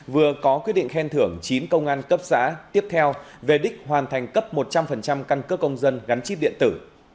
vừa có quyết định khen thưởng chín công an cấp xã tiếp theo về đích hoàn thành cấp một trăm linh căn cước công dân gắn chip điện tử